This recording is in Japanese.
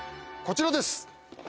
こちらです！